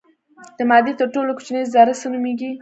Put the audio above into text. د مادې تر ټولو کوچنۍ ذره څه نومیږي.